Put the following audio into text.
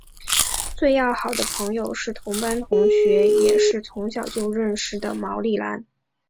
最要好的朋友是同班同学也是从小就认识的毛利兰。